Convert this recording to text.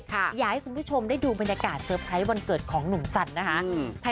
อยากให้คุณผู้ชมได้ดูบรรยากาศเซอร์ไพรส์วันเกิดของหนุ่มจันทร์นะคะ